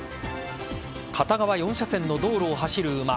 片側４車線の道路を走る馬。